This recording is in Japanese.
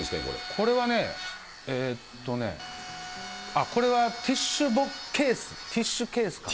これはね、えっとね、これはティッシュケース、ティッシュケースかな。